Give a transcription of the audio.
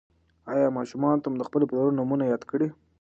ایا ماشومانو ته مو د خپلو پلرونو نومونه یاد کړي؟